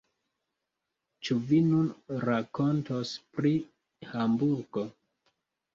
Ĉu vi nun rakontos pri Hamburgo?